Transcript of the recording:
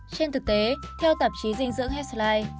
trên thực tế theo tạp chí dinh dưỡng healthline